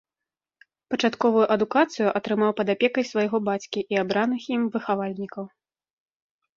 Пачатковую адукацыю атрымаў пад апекай свайго бацькі і абраных ім выхавальнікаў.